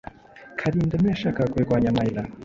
Kalinda ntiyashakaga kurwanya Mayra.